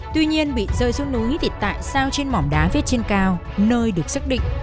tuy nhiên bị rơi xuống núi thì tại sao trên mỏm đá viết trên cao nơi được xác định